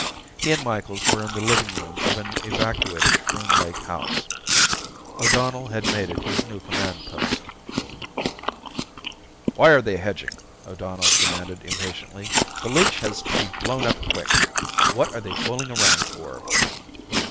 He and Micheals were in the living room of an evacuated Schroon Lake house. O'Donnell had made it his new command post. "Why are they hedging?" O'Donnell demanded impatiently. "The leech has to be blown up quick. What are they fooling around for?"